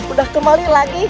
udah kembali lagi